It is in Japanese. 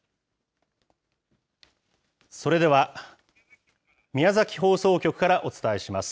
それでは、宮崎放送局からお伝えします。